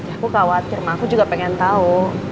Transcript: aku khawatir aku juga pengen tau